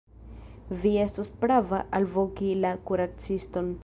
Vi estos prava alvoki la kuraciston.